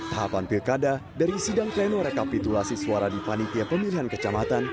tahapan pilkada dari sidang pleno rekapitulasi suara di panitia pemilihan kecamatan